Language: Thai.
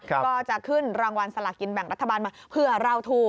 ก็จะขึ้นรางวัลสลากินแบ่งรัฐบาลมาเพื่อเล่าถูก